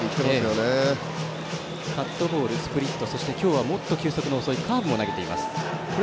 カットボール、スプリット今日は、もっと球速の遅いカーブを投げています。